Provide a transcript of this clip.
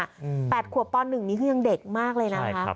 ๘ควบคนนี้ก็ยังเด็กมากเลยนะครับ